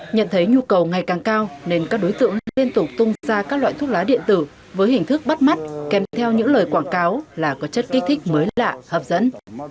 nhận thấy nhu cầu ngày càng cao nên các đối tượng liên tục tung ra các loại thuốc lá điện tử với hình thức bắt mắt kèm theo những lời quảng cáo là có chất kích thích mới lạ hấp dẫn